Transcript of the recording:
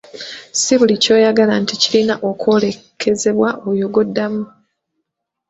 Si buli ky'oyagala nti kirina okwolekezebwa oyo gw'oddamu.